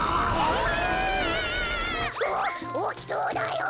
おおきそうだよ。